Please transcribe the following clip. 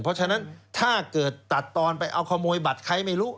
เพราะฉะนั้นถ้าเกิดตัดตอนไปเอาขโมยบัตรใครไม่รู้